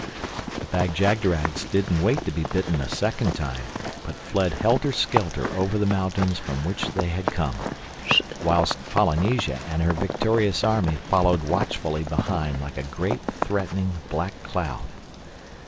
The Bag jagderags didn't wait to be bitten a second time, but fled helter skelter over the mountains from which they had come; whilst Polynesia and her victorious army followed watchfully behind like a great, threatening, black cloud.